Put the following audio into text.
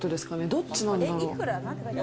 どっちなんだろう？